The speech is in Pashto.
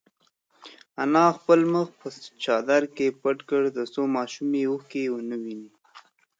انا خپل مخ په چادر کې پټ کړ ترڅو ماشوم یې اوښکې ونه ویني.